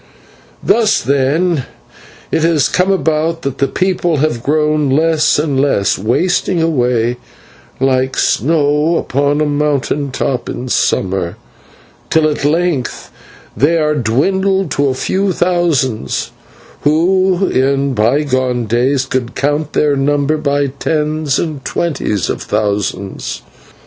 "Thus, then, has it come about that the people have grown less and less, wasting away like snow upon a mountain top in summer, till at length they are dwindled to a few thousands, who in bygone days could count their number by tens and twenties of thousands.